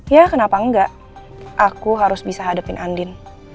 ya kenapa enggak aku harus bisa hadapin andin